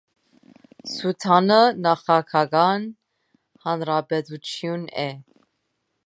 Սուդանը նախագահական հանրապետություն է։